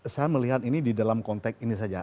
saya melihat ini di dalam konteks ini saja